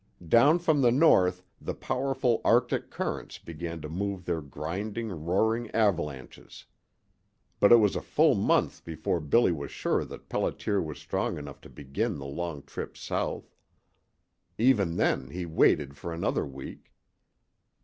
Down from the north the powerful arctic currents began to move their grinding, roaring avalanches. But it was a full month before Billy was sure that Pelliter was strong enough to begin the long trip south. Even then he waited for another week.